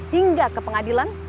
hingga ke pengadilan